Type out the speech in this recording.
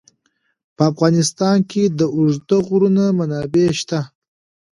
په افغانستان کې د اوږده غرونه منابع شته.